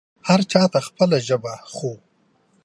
هر چا ته خپله ژبه خو